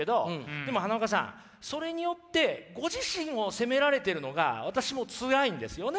でも花岡さんそれによってご自身を責められてるのが私もつらいんですよね。